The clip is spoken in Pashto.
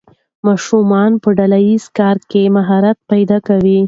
ماشومان په ډله ییز کار کې مهارت پیدا کوي.